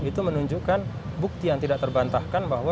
itu menunjukkan bukti yang tidak terbantahkan bahwa